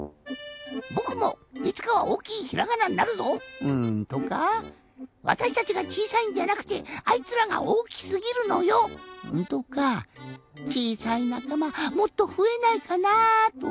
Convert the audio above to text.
「ぼくもいつかはおおきいひらがなになるぞ！」とか「わたしたちがちいさいんじゃなくてあいつらがおおきすぎるのよ！」とか「ちいさいなかまもっとふえないかな」とか。